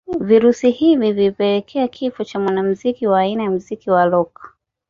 Virusi hivi vilipelekea kifo cha mwanamuziki wa aina ya muziki wa rock